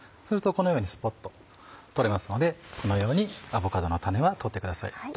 するとこのようにスポっと取れますのでこのようにアボカドの種は取ってください。